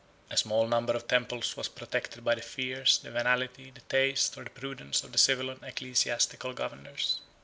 32 A small number of temples was protected by the fears, the venality, the taste, or the prudence, of the civil and ecclesiastical governors.